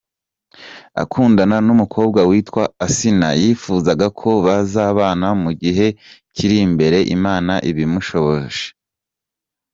Akundana n’umukobwa witwa Asinah, yifuza ko bazabana mu gihe kiri imbere Imana ibimushoboje.